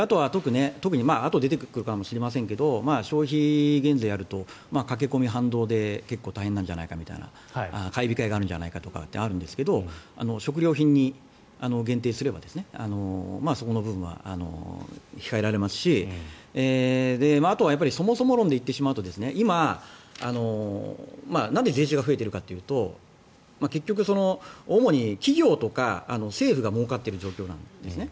あとで出てくるかもしれませんが消費減税をやると駆け込み反動で結構大変なんじゃないかという買い控えがあるんじゃないかとかありますが食料品に限定すればそこの部分は控えられますしあとはそもそも論で言ってしまうと今、なんで税収が増えているかというと結局、主に企業とか政府がもうかっている状況なんですね。